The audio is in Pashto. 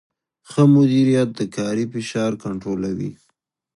ښه مدیریت د کاري فشار کنټرولوي.